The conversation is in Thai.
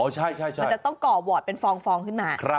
ใช่มันจะต้องก่อวอร์ดเป็นฟองขึ้นมา